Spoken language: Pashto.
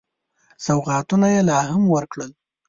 سوغاتونه یې لا هم ورکړل.